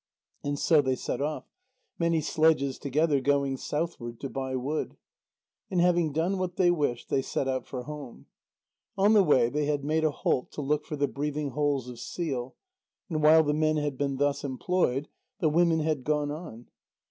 And so they set off, many sledges together, going southward to buy wood. And having done what they wished, they set out for home. On the way, they had made a halt to look for the breathing holes of seal, and while the men had been thus employed, the women had gone on.